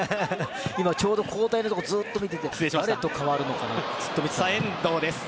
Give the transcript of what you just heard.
今、ちょうど交代のところをずっと見ていて誰と代わるのかなと。